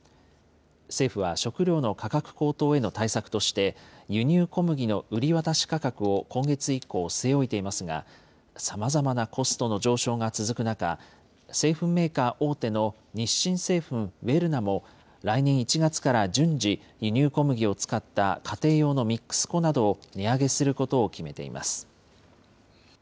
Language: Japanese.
政府は食料の価格高騰への対策として、輸入小麦の売り渡し価格を今月以降、据え置いていますが、さまざまなコストの上昇が続く中、製粉メーカー大手の日清製粉ウェルナも来年１月から順次、輸入小麦を使った家庭用のミックス粉などを値上げすることを決めています。